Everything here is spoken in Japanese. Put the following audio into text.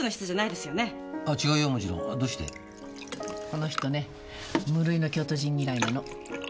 この人ね無類の京都人嫌いなの。